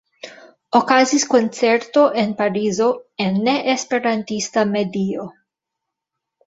Okazis koncerto en Parizo en ne-esperantista medio.